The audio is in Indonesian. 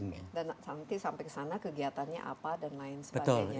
dan nanti sampai ke sana kegiatannya apa dan lain sebagainya